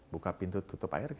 buka pintu tutup air